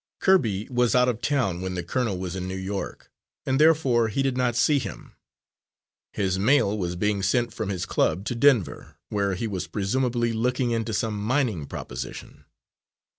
Kirby was out of town when the colonel was in New York, and therefore he did not see him. His mail was being sent from his club to Denver, where he was presumably looking into some mining proposition.